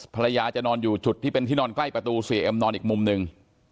ภรรยาจะนอนอยู่จุดที่เป็นที่นอนใกล้ประตูเสียเอ็มนอนอีกมุมหนึ่ง